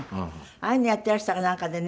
ああいうのやっていらしたかなんかでね